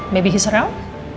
mungkin dia serempak